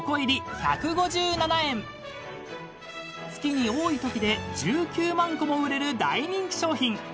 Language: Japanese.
［月に多いときで１９万個も売れる大人気商品］